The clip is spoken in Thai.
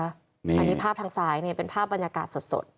อันนี้ภาพทางซ้ายเป็นภาพบรรยากาศสด